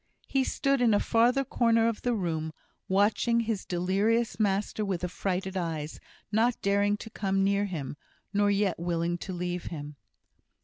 He stood in a farther corner of the room, watching his delirious master with affrighted eyes, not daring to come near him, nor yet willing to leave him.